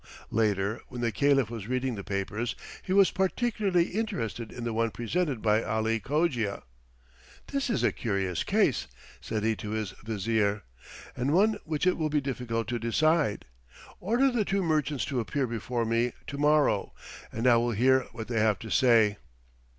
Later, when the Caliph was reading the papers, he was particularly interested in the one presented by Ali Cogia: "This is a curious case," said he to his Vizier, "and one which it will be difficult to decide. Order the two merchants to appear before me to morrow, and I will hear what they have to say."